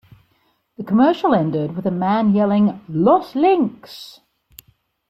The commercial ended with a man yelling Los Links!